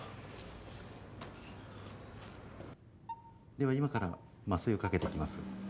では今から麻酔をかけていきます。